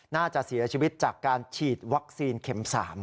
น่าจะเสียชีวิตจากการฉีดวัคซีนเข็ม๓